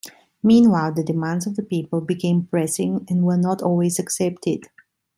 Meanwhile the demands of the people became pressing and were not always accepted.